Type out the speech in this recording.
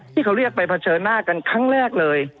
ที่เขาเรียกไปเผชิญหน้ากันครั้งแรกเลย